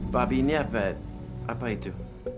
babi ngepet apa itu